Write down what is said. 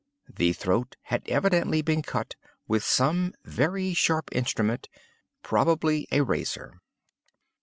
The throat had evidently been cut with some very sharp instrument—probably with a razor.